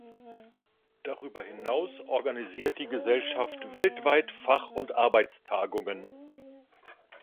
Darüber hinaus organisiert die Gesellschaft weltweit Fach- und Arbeitstagungen.